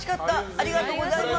ありがとうございます。